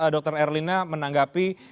dokter erlina menanggapi